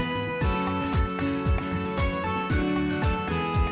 มายไทยรัฐ